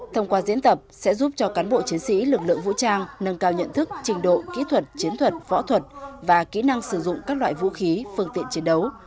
thông qua diễn tập sẽ giúp cho cán bộ chiến sĩ lực lượng vũ trang nâng cao nhận thức trình độ kỹ thuật chiến thuật võ thuật và kỹ năng sử dụng các loại vũ khí phương tiện chiến đấu